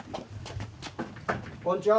こんにちは。